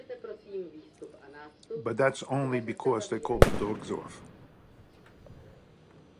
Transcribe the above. But that's only because they called the dogs off.